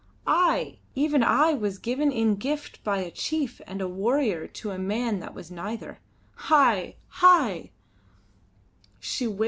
I! even I, was given in gift by a chief and a warrior to a man that was neither. Hai! Hai!"